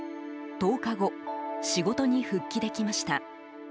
１０日後仕事に復帰できました。